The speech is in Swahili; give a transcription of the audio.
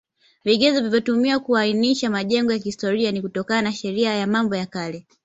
Vigezo vilivyotumiwa kuainisha majengo ya kihstoria ni kutokana na Sheria ya Mambo ya Kale